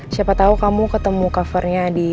siapa tahu kamu ketemu covernya di